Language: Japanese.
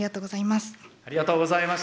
ありがとうございます。